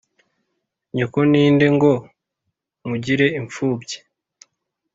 nyoko ninde ngo nkugire imfubyi?